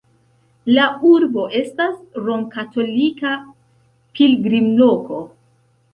La urbo estas romkatolika pilgrimloko.